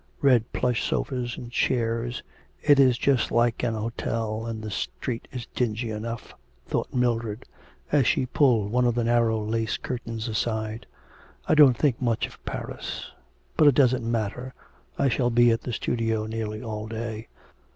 Red plush sofas and chairs. It is just like an hotel, and the street is dingy enough,' thought Mildred, as she pulled one of the narrow lace curtains aside: I don't think much of Paris. But it doesn't matter, I shall be at the studio nearly all day.'